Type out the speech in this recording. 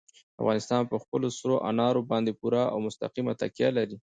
افغانستان په خپلو سرو انارو باندې پوره او مستقیمه تکیه لري.